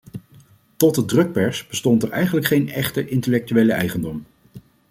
Tot de drukpers bestond er eigenlijk geen echte intellectuele eigendom.